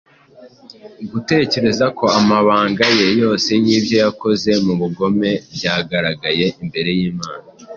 Gutekereza ko amabanga ye yose y’ibyo yakoze mu bugome byagaragaye imbere y’Imana